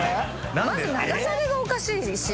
泙長袖がおかしいし。